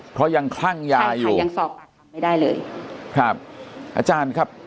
เพราะยังคลั่งยาอยู่ยังสอบปากคำไม่ได้เลยครับอาจารย์ครับ